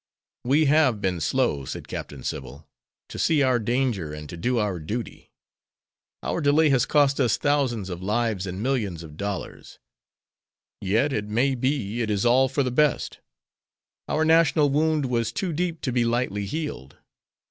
"We have been slow," said Captain Sybil, "to see our danger and to do our duty. Our delay has cost us thousands of lives and millions of dollars. Yet it may be it is all for the best. Our national wound was too deep to be lightly healed.